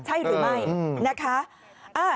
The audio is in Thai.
ใช่หรือไม่นะคะ